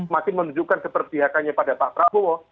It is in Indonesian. makin menunjukkan keperpihakannya pada pak prabowo